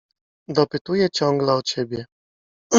Dopytuje ciągle o ciebie.